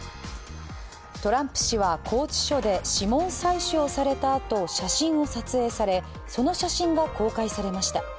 トランプ氏は拘置所で指紋採取をされたあと写真を撮影され、その写真が公開されました。